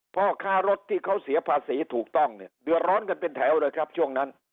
พ่อค้ารถที่เขาเสียภาษีถูกต้องเนี่ยเดือดร้อนกันเป็นแถวเลยครับช่วงนั้น